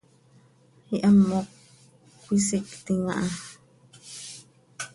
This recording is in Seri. Ihamoc cöisictim aha.